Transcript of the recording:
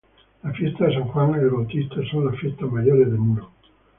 Las fiestas de San Juan el Bautista son las fiestas mayores de Muro.